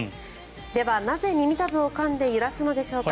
ではなぜ耳たぶをかんで揺らすのでしょうか。